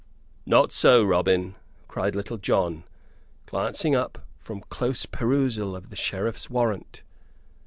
"Not so, Robin," cried Little John, glancing up from close perusal of the Sheriff's warrant.